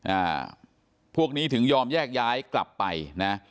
อ่าพวกนี้ถึงยอมแยกย้ายกลับไปนะ